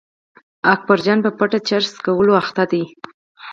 اکبرجان به په پټه چرس څښل روږدي و.